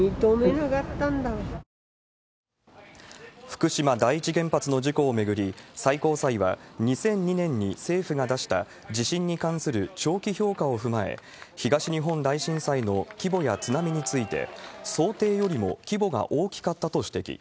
福島第一原発の事故を巡り、最高裁は、２００２年に政府が出した、地震に関する長期評価を踏まえ、東日本大震災の規模や津波について、想定よりも規模が大きかったと指摘。